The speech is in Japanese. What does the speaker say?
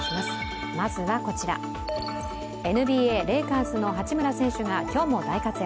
ＮＢＡレイカーズの八村選手が今日も大活躍。